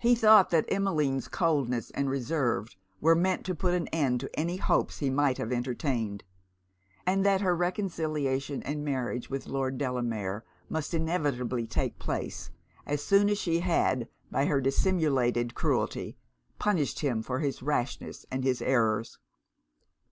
He thought that Emmeline's coldness and reserve were meant to put an end to any hopes he might have entertained; and that her reconciliation and marriage with Lord Delamere must inevitably take place as soon as she had, by her dissimulated cruelty, punished him for his rashness and his errors.